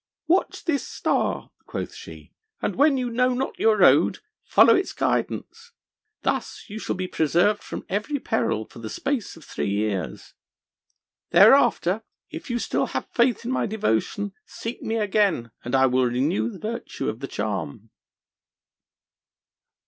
'Watch this star,' quoth she, 'and when you know not your road, follow its guidance. Thus you shall be preserved from every peril for the space of three years. Thereafter, if you still have faith in my devotion, seek me again, and I will renew the virtue of the charm.'